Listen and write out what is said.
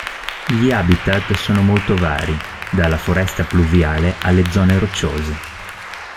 Gli habitat sono molto vari, dalla foresta pluviale a zone rocciose.